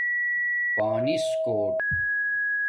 پانس کوٹ